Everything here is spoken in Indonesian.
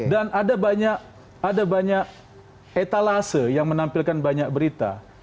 dan ada banyak etalase yang menampilkan banyak berita